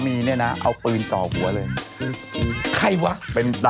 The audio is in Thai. ไม่หมดไม่หมด